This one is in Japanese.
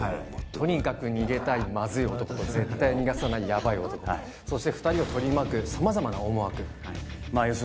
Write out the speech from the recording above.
とにかく逃げたいまずい男と絶対逃がさないやばい男そして２人を取り巻く様々な思惑予測